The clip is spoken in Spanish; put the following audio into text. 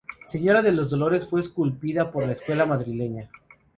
Señora de los dolores fue esculpida por la escuela madrileña.